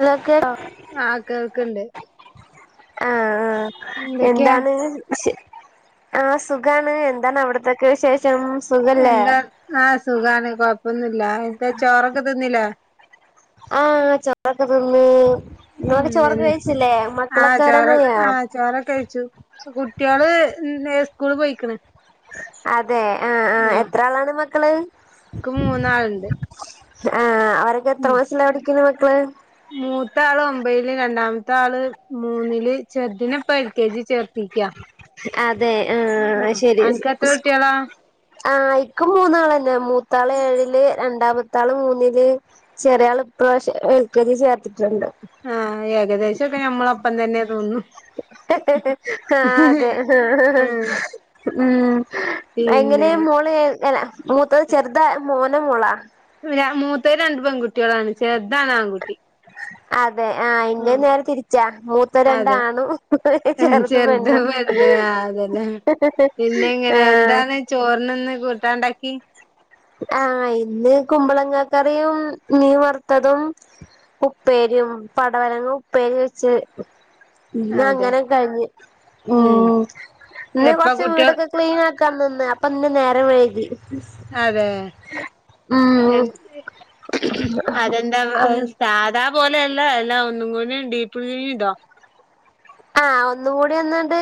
അതൊക്കെ ആ ആഹ കേൾക്ക്ണ്ട് എന്തൊക്കെയാ ആആഎന്താണ് ആഹ സുഖാണ് എന്താണ് അവിടത്തക്കെ വിശേഷം സുഖല്ലേ എന്താ ആ സുഖാണ് കൊഴപ്പൊന്നുല്ല എന്താ ചോറൊക്കെ തിന്നില്ലേ ആ ചൊ ക്കെ തി ന്ന് ഉം എ ആ ചോറ് വരാനായോ ആഹ് ചോറൊക്കെ കഴിച്ചു കുട്ട്യേൾ സ്കൂൾ പോയിക്ക്ണ് അതെ ആ ആ എത്ര ആളാണ് മക്കള് ക്ക് മൂന്നാളുണ്ട് ആ അവരൊക്കെ എത്ര മാസല്ല പഠിക്കുന്നു മക്കള് മൂത്ത ആള് ഒമ്പതില് രണ്ടാമത്തെ ആള് മൂന്നില് ചെറുതിന് ഇപ്പൊ എൽ കെ ജി ചേർത്തി യാ അതെ ആ ശെരി അനക്ക് എത്ര കുട്ട്യാളാ ആ ഇക്ക് മൂന്നാളന്നെ മൂത്താള് ഏഴില് രണ്ടാമത്ത മൂത്താള് മൂന്നില് ചെറിയാള് ഇപ്രാവശ്യം എൽ കെ ജി ചേർത്തിട്ട്ണ്ട് ആ ഏകദേശോക്കെ ഞമ്മളൊപ്പംതന്നെ തോന്നുന്നു ആ അതെ ആഹ് ഉം പിന്നെ എങ്ങനെമോളെ മൂത്തത്ചെറുതാ മോനോമോളോ മൂത്തോര് രണ്ട്പെൺകുട്ടിയാളാണ് ചെർതാണ് ആൺകുട്ടി അ അതെ ആ ആഹ് ഇന്റെത് നേരെതിരിച്ചാ അതെ മൂത്തരണ്ടാണും ചെറുത്പെണ്ണും അതെല്ലേ പിന്നെയെങ്ങനെ എന്താണ് ചോറിന്ന്ഇന്കൂട്ടാനുണ്ടാക്കി ആ ഇന്ന് കുമ്പളങ്ങകറിയും മീവറുത്തതും ഉപ്പേ-രി- പടവലങ്ങ ഉപ്പേരിവെച്ച് അതെ ഇന്നങ്ങനെകഴിഞ്ഞ് ഉം എപ്പ ഇന്ന്കൊറച്ച് കുട്ടികൾ വീടൊക്കെക്ലീനാ കാനിന്ന് അപ്പൊന്ന് നേരംവെയ്കി [inaudible] അതേ [unintelligible] അതെന്താ ഉം സാധാപോലെ ഇല്ലല്ലയെല്ലാം ഒന്നുംകൂടി ഡീപ്പ് [unintelligible] ചെയ്തോ ആ ഒന്നുകൂടിയൊന്നുണ്ട്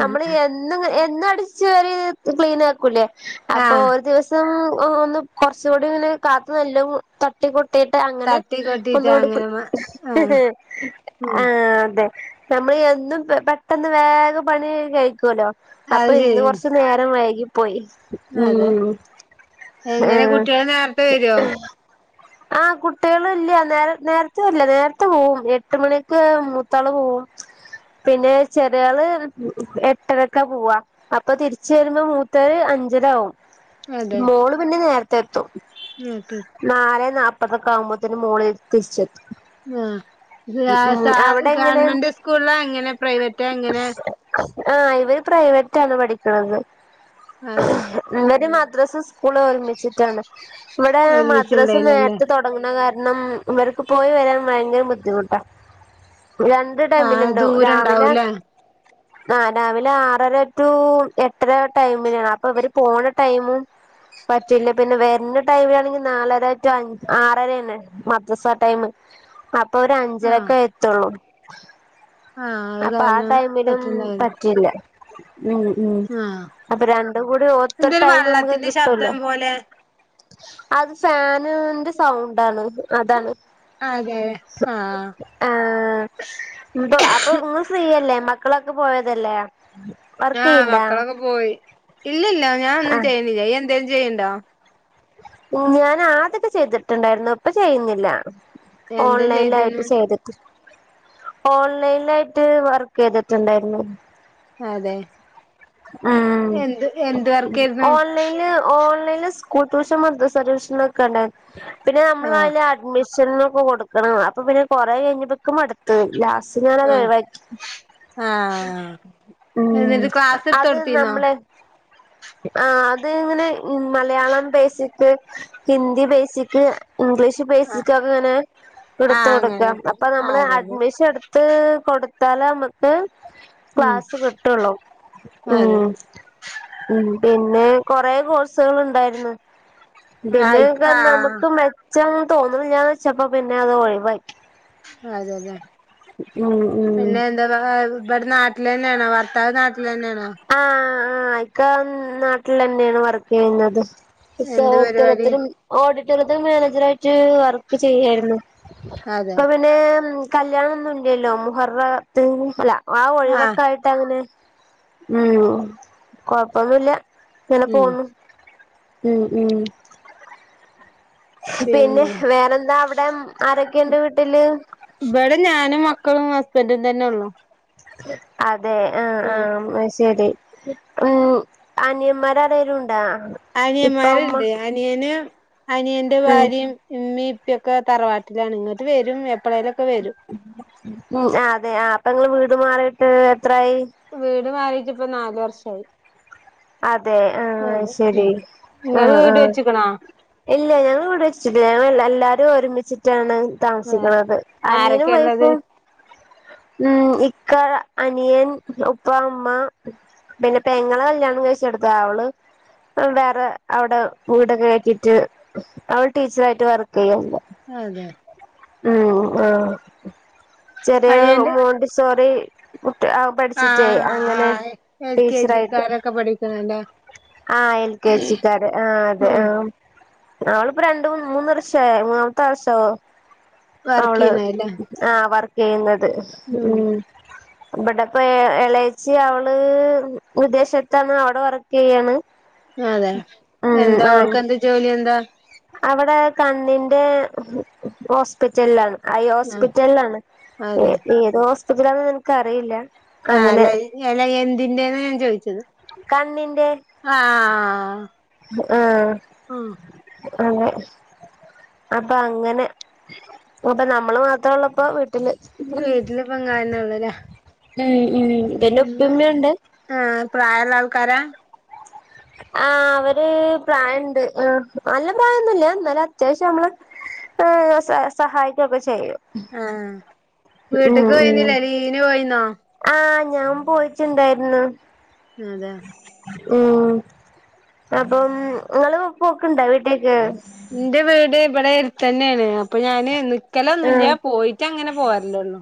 ഞമ്മള് എന്നും എന്നും അടിച്ചു അടിച്ചുവാരി ക്ലിനാക്കൂല്ലേ അപ്പൊ ആഹ് ഒരുദിവസം ഒന്ന്കൊറച്ചൂടിയൊന്ന് കാത്തുനല്ലംതട്ടി ത്തീട്ട് തട്ടി കൊട്ടിട്ട് അങ്ങനെഒന്നൂടി അങ്ങനെ ആഹ് [unintelligible] ഉം ആ അതെ നമ്മള് യെന്നും പെട്ടെന്ന് വേഗംപണിയൊക്കെ കയിക്കൊല്ലോ അത് അപ്പൊഇന്ന് ശരിയാണ് കൊറച്ചുനേരം വൈകി പോയി അതെ ഉം ആ എങ്ങനെ കുട്ടികൾ നേരത്തെ വരുവോ ആ കുട്ടികള്ല്ല്യ നേര നേരത്തെവര്ല്ലാ നേരത്തെപോവും എട്ട്മണിക്ക്മു ത്താള്പോവും പിന്നെചെറിയാള് എട്ടരക്ക പോവാ അപ്പൊതിരിച്ചരുമ്പോ മൂത്തത് അഞ്ചരാവും അതെ മോള്പിന്നെ നേര്ത്തെത്തും നേരത്തെ നാലെ നാപ്പത് പ്പതോക്കാവുമ്പോത്തിന് മോള് തിരിച്ചെത്തും ങ്ങാ ഇത് ഉം ലാസ്റ്റ് [unintelligible] അവിടെ എങ്ങനെ ഗവൺമെന്റ്സ്ക്കുൾലാ എങ്ങനെ പ്രൈവറ്റ എങ്ങനെ ആ ഇവര് പ്രൈവറ്റാണ് പഠിക്ക്ണത് അതെ ഇവര് മദ്രസ്സുംസ്‌ സ്‌കൂളൊരുമിച്ചിട്ടാണ് ഇവിടെ ഒരുമിച്ചുണ്ടായില്ലല്ലേ മദ്രസനേരത്തെ തൊടങ്ങണകാര ണം ഇവർക്ക് പോയിവരാൻ പയങ്കരബുദ്ധിമുട്ടാ ആ രണ്ട്ടൈമിൽണ്ട് ദൂരം രാവിലെ ഉണ്ടാവൂലേ ആ രാവിലെ ആറര റ്റു എട്ടരരുടൈമിലാ അപ്പൊവര് പോണടൈമും പറ്റില്ലപിന്നെ വര്ണ ടൈ മില് ആണെങ്കിൽ നാലരറ്റു അഞ്ച ആറരയാണ് മദ്രസടൈമ് അപ്പൊ ഒരഞ്ചരക്ക ആഹ് എത്തുള്ളൂ ആഹ് അത് കാരണം അപ്പആടൈമിലും പറ്റുണ്ടാവില്ല പറ്റി ല്ല ഉം ഉം ആഹ് അപ്പരണ്ടുംകൂടി എന്തൊരു ഒത്തൊരുടൈമ് മ്മക്ക് വെള്ളത്തിന്റെ കിട്ടൊല്ലോ ശബ്ദം പോലെ അത്ഫാന് ന്റെ സൗണ്ടാണ് അതാണ് അതേ ആ ആഹ് ഇപ്പൊ അപ്പൊ ഇങ്ങള് ഫ്രീയല്ലേ മക്കളൊക്കെപോയതല്ലേ. ആ മക്കളൊക്കെപോയി ഇല്ലല്ല ഞാഒന്നും ആഹ് ചെയ്ന്നില്ല ഇയ്യ് എന്തേലും ചെയ്ണ്ടോ ഞാൻ ആതൊക്കെ ചെയ്തിട്ടുണ്ടായിരുന്നു ഇപ്പൊ ചെയ്യ്ന്നില്ല എന്താ ഓൺലൈൽലായിട്ട് ചെയ്തിന്ന് ചെയ്തിട്ട് ഓൺലൈൽലായിട്ട് വർക്കെയ്തിട്ട്ണ്ടായിരുന്നു. അതെ ഉം എന്ത് എന്ത് വർക്കായിരുന്നു ഓൺലൈൽ ഓ സ്കൂൾടൂഷൻ മദ്രസ്സടൂഷനൊക്കെ ഉണ്ടായിരുന്നു ആഹ് പിന്നെയമ്മള് അഡ്മി ഷനൊക്കെകൊടുക്കണം അപ്പൊപിന്നെ കൊറെകഴിഞ്ഞപ്പൊ ക്ക്മടുത്ത് ലാസ്റ്റ് റ്റ് ഞാനത് ആഹ് ഉഴിവായി ആഹ് ഉം എന്നിട്ട് ക്ലാസ് എടുത്ത് അത് കൊടുത്തീന്നോ നമ്മള് ആ അത് ഇങ്ങനെ Malayalam basic Hindi basic English ആഹ് ബേസിക്ക് ഒക്കെ ഇങ്ങനെ എടുത്ത് ആഹ് അങ്ങനെ കൊടുക്കാം എടുത്ത് അപ്പോ ആഹ് നമ്മള് അതെ അതെ അഡ്മിഷൻ എടുത്ത് കൊടു ത്താല നമ്മുക്ക് ഉം ക്ലാസ്സ് കിട്ടോള്ളൂ അതെ ഉം ഉം പിന്നെ കൊറെ കോഴ്സുകൾ ഉണ്ടായിരുന്നു ആഹ് ഇക്ക് പിന്നൊക്ക നമുക്ക് ആഹ് മെച്ചം തോന്നണില്ല വെച്ചപ്പോ പിന്നെ അത് ഒഴിവായി അതെല്ലേ ഉം ഉം പിന്നെ എന്താവാ [unintelligible] ഇവിടെ നാട്ടിൽ തന്നെയാണോ ഭർത്താവ് നാട്ടിൽ തന്നെയാണോ ആ ആ ഇക്ക നാട്ടിൽ തന്നെയാണ് വർക്ക് ചെയ്യുന്നത് ഇക്ക എന്ത് പരിപാടി ഓഡിറ്റോറിയത്തിലും ആ ഓ ഡിറ്റോറിയത്തില് മാനേജർ ആയിട്ട് വർക്ക് ചെയ്യായിരുന്നു അതെ ഇപ്പോ പിന്നെ കല്യാണം ഒന്നും ഇല്ലല്ലോ മുഹറത്ത് അല്ല ആഹ് ഒഴിവൊക്കായിട്ട് അങ്ങനെ ഉം കൊഴപ്പൊന്നുല്ല ഇങ്ങനെ ഉം പോണു ഉം ഉം പിന്നെ വേറെന്താ അവിടെ ആരൊക്കെയുണ്ട് വീട്ടില് ഇവിടെ ഞാനും മക്കളും ഹസ്ബൻഡും തന്നെ ഒള്ളോ അതെ ആ ആ എന്നാ ശരി ഉം അനിയന്മാര് ആരെലും ഉണ്ടാ ഇപ്പ ഉമ്മ അനിയന്മാരുണ്ട് അനിയന് അനിയന്റെ ഉം ഭാര്യയും ഉമ്മീം ഉപ്പ ഒക്കെ തറവാട്ടിലാണ് ഇങ്ങോട്ട് വരും എ ഉം അതെ ആ അപ്പോ നിങ്ങള് വീട് മാറിയിട്ട് എ വീട് മാറിട്ട് ഇപ്പ നാലു വർഷായി അതെ ആ അതെ ഉം ശരി ഇങ്ങള് ഉം വീട് ഉം വെച്ച്ക്ക്ണോ ഇല്ല ഞങ്ങള് ഇവിടെ വെച്ചിട്ട് ഞങ്ങള് എല്ലാരും ഒരുമി ച്ചിട്ടാണ് ആഹ് താമസിക്കുന്നത് അനിയനും വൈഫ്‌ ആരൊക്കെള്ളത് ഉം ഇക്ക അനിയൻ ഉപ്പ ഉമ്മ പിന്നെ പെങ്ങളെ കല്യാണം കഴിച്ചടുത്തതാ അവള് വേറെ അവിടെ വീടൊക്കെ ആക്കിട്ട് അവള് ടീച്ചർ ആയിട്ട് വർക്ക് ചെയ്യണ്ട് അതെ ഉം ആ ചെറിയ അനിയന്റെ മോണ്ടി സോറി പഠിച്ചിട്ടേ ആഹ് അങ്ങനെ ആഹ് എൽ കെ ടീച്ചറായിട്ട് ജിക്കാരൊക്കെ പഠിക്ക്ണല്ലേ ആ എൽ കെ ജി ക്കാരെ ആ അതെ ഉം ആ അവളിപ്പോ രണ്ട് മൂന്ന് വർഷായി മൂന്നാമത്തെ വർഷവോ വർക്ക് അവള് ചെയ്യ്ണല്ലേ ആ വർക്ക് ചെയ്യുന്നത് ഉം ഇവിടെപ്പ എളേച്ചി അവള് വിദേശത്താണ് അവിടെ വർക്കേയ്യാണ് അതെ എന്താ അവൾക്ക് എന്താ ജോലി എന്താ അവിടെ കണ്ണിന്റെ ഹോസ്പിറ്റലിലാണ് ഐ ആഹ് ഹോസ്പിറ്റലാണ് ഏ അതെ ഏത് ഹോസ്പിറ്റലാന്ന് എനിക്ക് അറിയില്ല ആ അല്ല അല്ല എന്തിന്റെന്നാ ഞാൻ ചോദിച്ചത് കണ്ണിന്റെ ആഹ് ഉം ആഹ് അതെ അപ്പോ അങ്ങനെ അപ്പോ നമ്മള് മാത്രം ഓള്ളപ്പാ വിട്ടീ ല് വീട്ടിലിപ്പ ഇങ്ങളെന്നെ ഉള്ളൂല്ലേ ഉം ഉം പിന്നെ ഉം ഉപ്പേം ഉമ്മയുണ്ട് ആഹ് പ്രായള്ള ആൾക്കാരാ ആ അവര് പ്രായുണ്ട് ആ നല്ല പ്രായോന്നുല്ല എന്നാലും അത്യാവശ്യം നമ്മള് ഏ സഹായിക്കൊക്കെ ചെയ്യും ആ ആ ഉം വീട്ടക്ക് ഉം പോയിരുന്നില്ലേ ലീവിന് പോയിരുന്നോ ആഹ് ഞാൻ പോയിട്ടുണ്ടായിരുന്നു അതെ ഉം, അപ്പം, ങ്ങള്, പോക്ക്ണ്ടോ, വീട്ടിലേക്ക്? ഇന്റെ, വീട്, ഇവിടെ തന്നെണ്, അപ്പൊ ഞാന്, ആഹ് നിക്കലൊന്നൂല്ല, പോയിട്ട്, അങ്ങനെ, പോരല്ലൊള്ളൂ.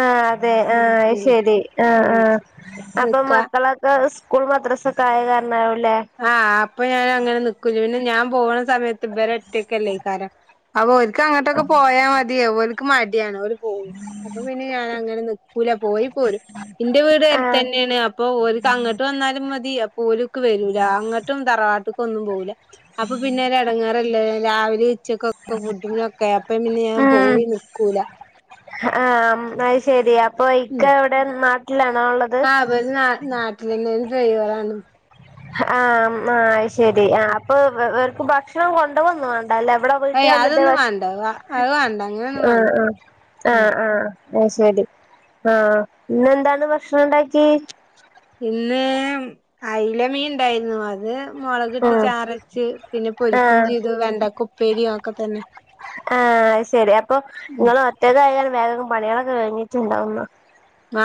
ആഹ്, അതെ, ആഹ്, അ ശരി, ആ, ഉം ആഹഹ്, അപ്പൊ, നിക്കാ മക്കളൊക്കെ, സ്കൂ സ്കൂൾ, മദ്രസ്സ്, ഒക്കെ, ആയ, കാരണയോ ആഹ്, അപ്പൊ, ഞാൻ, അങ്ങനെ, നിക്കൂല, പിന്നെ, ഞാൻ പോണ, സമയത്ത്, ഇവരൊറ്റയക്കല്ലേക്കാരം, അപ്പോ, ഓല്ക്ക്, അങ്ങോട്ടൊക്കെ, പോയാ, മതി, ഓല് പോവാ ക്ക് മടിയാണ്, ഓല് പോവൂല [inaudible] അപ്പൊ, പിന്നെ, ഞാനങ്ങനെ, നിക്കൂല, പോയി, പോരും, ന്റെ വീട്, ആഹ് അടത്തെന്നെയാണ്, അപ്പൊ, ഒര്ക്ക് അങ്ങോട്ട് വന്നാ ന്നാലും, മതി. ഓല്ക്ക്, വരൂല, അങ്ങട്ടും, തറവാട്ടൊക്കൊന്നും, പോവൂല്ല, അപ്പൊ, പിന്നെ, ഒരെടങ്ങാറല്ലേ രാവിലെ, ഉച്ചക്കൊക്കെ, ഫുഡിനൊക്ക, അപ്പ, പിന്നെ, ഞാൻ, പോയി, നിക്കൂല ആ, അമ്, അത്, ശെരി, അപ്പൊ, ഇക്ക, എവിടെ, നാ ആ, ഓര്, നാ, നാട്ടിലെന്നെ, ആണ്, ഡ്രൈവറാണ്. ആഹ്, മ്, അശരി, ആ, അപ്പൊ, ഓ, ഓർക്ക് ഭക്ഷണം, കൊണ്ടുവൊന്നും അല്ല ഇവ്ടെ വീട്ടി ഏയ് വന്നിട്ട് അതൊന്നും വാണ്ട അത് വാണ്ട അങ്ങനൊന്നും ഭക്ഷ--ആ വാണ്ട ആ ആ ഉം ആ അശരി, ആഹ്, ഇന്നെന്താണ്, ഭക്ഷണം, ണ്ടാക്കി? ഇന്ന്, അയിലമീൻ, ണ്ടായിന്നു, അത് മുളകിട്ട്, ആഹ് ചാറ് വെച്ച്, പിന്നെ ആഹ് പൊരിക്കുംചെയ്തു, വെണ്ടക്ക, ഉപ്പേരിം, അഒക്കെ തന്നെ. ആഹ്, അശരി, അപ്പൊ, ങ്ങള്, ഒറ്റക്കായ് വേഗം, പണിളൊക്കെ, ഒരുങ്ങിട്ടുണ്ടാവുന്ന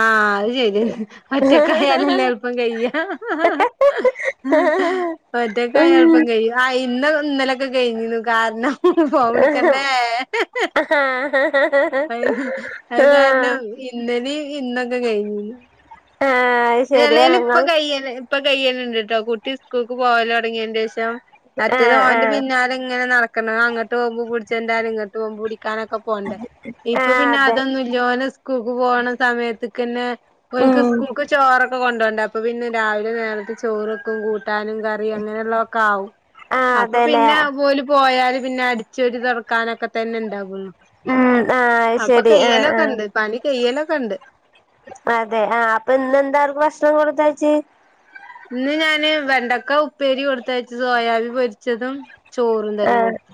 ആഹ്. അയി, ഒറ്റക്കായലല്ലേ, എളുപ്പം, കയാ, ഹ ഹ് ഹ് ഹാ ഒറ്റക്കയാ, ഉം എളുപ്പം, കയും, ആ, ഇന്നും, ഇന്നലൊക്കെ, കഴിഞ്ഞിന്നു, കാരണം? ഹ് ഹ്, ഫോവിളിക്കണ്ടേ, ആഹ് ഹ്, ഹ്, അ, അ, കാരണം ഇന്നലേം, ഇന്നൊക്കെ, കയിഞ്ഞു. ആഹ് ശരിയാ ല്ലേലും, ഇപ്പൊ, നിങ്ങൾ കയ്യല്, ഇപ്പ, കയ്യല് ഇണ്ട്, ട്ടോ കുട്ടി, സ്കൂൾക്ക്, പോവല്, തൊടങ്ങിന്റെ, ശേഷം. മറ്റേത്, ആഹ് ഓന്റെ, ആഹ് പിന്നാല, ഇങ്ങനെ നടക്കണം, അങ്ങോട്ട്, പോകുമ്പോ, പിടിച്ചൊന്റാനും, ഇങ്ങട്ട്, പോകുമ്പോ, പിടി ക്കാനൊക്കെ, പോണ്ടേ, ഇപ്പൊ, ആഹ് പിന്നെ, അതെ അതൊന്നുല്ല, ഓന്, സ്കൂൾക്ക്, പോണ, സമയത്തക്കന്നെ ഓര്ക്ക്, ഉം സ്കൂൾക്ക് ക്കൊക്കെ, കൊണ്ടോണ്ടേ, അപ്പ പിന്നെ, രാവിലെ, നേരത്തെ, ചോറ്, വെക്കും, കൂട്ടാ ട്ടാനും, കറീം, അങ്ങനെ ഉള്ളക്കെ, ആവും, ആഹ് അപ്പ, അതെല്ലേ പിന്നെ, ഓല്, പോയാല് പിന്നെ, അടിച്ചോരി, തൊടക്കാനൊക്കെ, തന്നെ, ഉണ്ടാവുള്ളൂ. ഉം ആഹ് അപ്പൊ, ശരി ആഹ് കയ്യലൊക്കെ, ഉണ്ട്, ആഹ് പണി, കയ്യലൊക്കെ, ഉണ്ട്. അതെ, ആ, അപ്പൊ, ഇന്നെന്താ, അവർക്ക്, ഭക്ഷണം, കൊടുത്തയച്ച്? ഇന്ന്, ഞാന്, വെണ്ടക്ക, ഉപ്പേരി, കൊടുത്തയച്ചു, സോയാവി, പൊരിച്ചതും ചോറും തന്നെ ആഹ്, കൊടുത്തു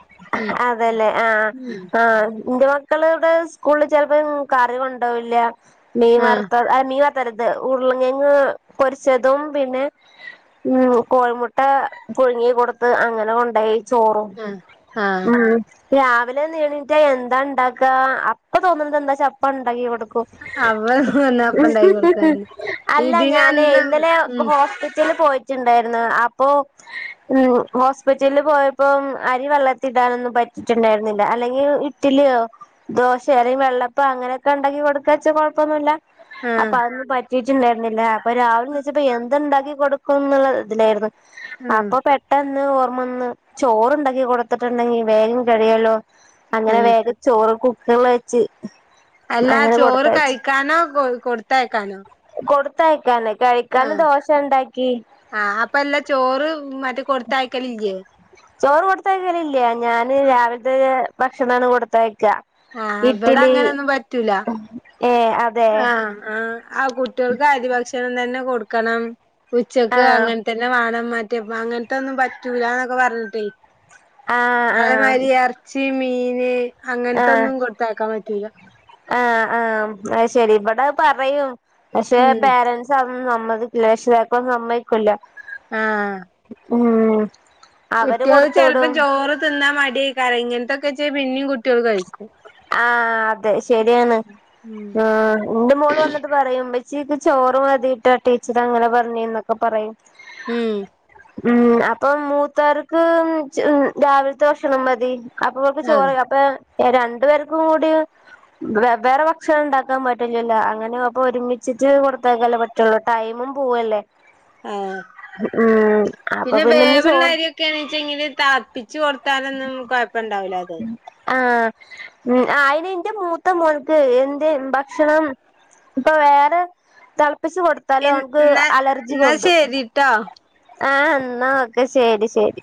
അതല്ലേ, ആഹ്, ഉം ആഹ്. ഇന്റെ, മക്കള ഇവിടെ, സ്കൂളില്, ചിലപ്പം കറി കൊണ്ടവില്ല, മീൻ ആഹ് വർത്ത, ആ, മീൻ, വറുത്ത റുത്തത്, ഉരുളംകെയങ്ങ്, പൊരിച്ചതും, പിന്നെ ഉം, കോഴിമുട്ട, പുഴുങ്ങി, കൊടുത്ത്, അങ്ങനെ, കൊണ്ടയി ചോറും, ആഹ് ഉം രാവിലെ, നീ എണീട്ടാ, എന്താണ്ടാക്കാ, അപ്പ, തോന്നണത്, എന്താച്ചപ്പ, ണ്ടാക്കി, കൊടുക്കും. അവ വന്നപ്പ മ് ഇണ്ടാക്കി ഹ് ഹ് ഹ്, കൊടുക്കാന്ന് അല്ല, ഞാനേയ്, ഇതിനന്ന് ഇന്നലെ, ഉം ഹോസ്പിറ്റലിൽ, പോയി ച്ച്, ഇണ്ടേയിരുന്നു, അപ്പോ, മ്, ഹോസ്പിറ്റലിൽ, പോയ ഇപ്പം, അരി, വെള്ളത്തിടാനൊന്നും, പറ്റിട്ടുണ്ടായിരുന്നില്ല, അല്ലെങ്കി, ഇട്ടിലോ, ദോശയോ, അല്ലെങ്കി, വെള്ളപ്പ അപ്പോ, അങ്ങനെയൊക്കെ, ഉണ്ടെങ്കി, കൊടുക്കാച്ച്, കൊഴപ്പൊന്നൂല്ല, ആഹ് അപ്പൊ, അന്ന്, പ ച്ച്ട്ടുണ്ടായിരുന്നില്ല, അപ്പൊ, രാവിലെ, നീച്ചപ്പോ, എന്തുണ്ടാക്കി, കൊടുക്കും, എന്നുള്ള, ഇതിലായിരുന്നു. ഉം അപ്പൊ, പെട്ടന്ന്, ഓർമ്മ, വന്ന്, ചോറുണ്ടാക്കി, കൊടുത്തിട്ടുണ്ടെങ്കി, വേഗം, കഴിയല്ലോ? അങ്ങനെ, ഉം വേഗം ചോറ്, കുക്കറില്, വെച്ച്. അല്ലാ, അങ്ങനെ ചോറ്, കൊടുത്തയച്ചു കഴിക്കാനോ, കൊ കൊടുത്തയക്കാനോ? കൊടുത്തയക്കാലെ ആ ആ അപ ല്ല ചോറ് മറ്റേ കൊടുത്തയക്കൽ ഇല്ലേ ചോറ് കൊടുത്തലല്ല ഞാന് രാവിലത്തെ ഭക്ഷണമാണ് കൊടുത്ത ആഹ് ഇവിടെ ഇറ്റലി ആ ആ ആ കുട്ടികൾക്ക് അരി ഭക്ഷണം തന്നെ കൊടുക്കണം ഉച്ചക്ക് ആഹ് അങ്ങനത്തന്നെ വാണം മാറ്റ് അങ്ങനത്തെ ഒന്നും പറ്റൂലന്നൊക്കെ പറഞ്ഞിട്ടേ- ആഹ് ആഹ് അതേമാരി ഇറച്ചി മീന്- അങ്ങനത്തെൊന്നും കൊടുത്തയക്കാൻ പറ്റൂല ആ ആ അ ശെരി ഇവിടെ പറയും പക്ഷെ ഉം പേരൻറ്സ്- നമ്മതിക്ക ലക്ഷതക്കും സമ്മതിക്കില്ല [unintelligible] ആ ഉം അവര് കുട്ടികൾ കൊടുത്തു ചെിലപ്പം വിടും ചോറ് തിന്നാ മടിയേക്കാരം ഇങ്ങനത്തൊക്കെ ചെയ പിന്നും കുട്ടികൾ കഴിക്കും ആ അതെ ശെര്യാണ് ഉം മ്മ് ന്റെ മോള് വന്നിട്ട് പറയും ഇമ്മെ - ചച്ചിക്ക് ചോറ് മതിയിട്ടാ ടീച്ചർ അങ്ങനെ പറഞ്ഞ് നൊക്കെ പറയും ഉം ഉം അപ്പം മൂത്താർക്ക് രാവിലത്തെ ഭഷണം മതി അപ്പൊ അവർക്ക് ചോറ അതെ അപ്പൊ രണ്ടു പേർക്കും കൂടി- വേറെ ഭക്ഷണം ഉണ്ടാക്കാൻ പറ്റലല്ലോ അങ്ങനെ അപ്പൊ ഒരുമിച്ചിട്ട് കൊടുത്താക്കല്ലേ പറ്റുള്ളൂ ടൈം- പോവല്ലേ ആ ഉം അപ്പൊ പിന്നെ പിന്നെന്ന് ചോറ് വേവള്ളരിയൊക്കെയണചെങ്കിൽ താ- വച്ച് കൊടുത്താലൊന്നും കുഴപ്പമണ്ടാവിലാ- ഉം ആഹ ആ അയിന് ന്റെ മൂത്ത മോന്ക് എന്തേ ഭക്ഷണം- ഇപ്പൊ വേറെ തളപ്പിച്ച് എ കൊടത്താലു ഒന്ക്ക് എന്നാ അലർജി എന്നാ പൊന്തും ശരിട്ടോ ആഹ എന്നാ ഒക്കെ ശരി ശരി